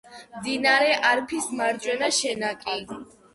მდინარე არფის მარჯვენა შენაკადი.